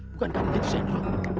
bukan karena gitu senro